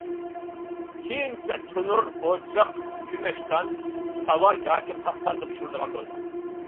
كېيىنچە تونۇر، ئوچاق، كۆمەچدان، تاۋا ياكى قاسقاندا پىشۇرىدىغان بولغان.